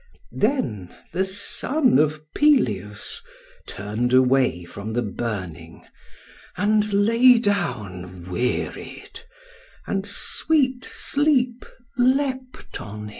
Then the son of Peleus turned away from the burning and lay down wearied, and sweet sleep leapt on him."